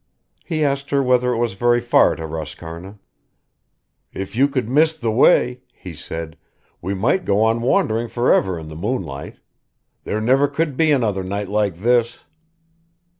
He asked her whether it was very far to Roscarna. "If you could miss the way," he said, "we might go on wandering for ever in the moonlight. There never could be another night like this."